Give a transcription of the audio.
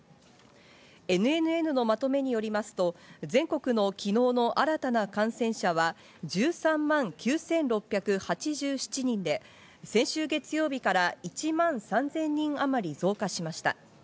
ＮＮＮのまとめによりますと、全国の昨日の新たな感染者は、１３万９６８７人で、先週月曜日から１万３０００人あまり増加しました。